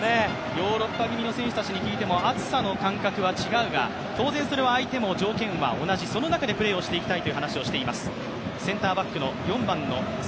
ヨーロッパ組の選手に聞いても暑さの感覚は違うが当然、それは相手も条件は同じその中で、プレーをしていきたいという話をしています。